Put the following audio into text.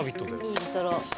イントロ。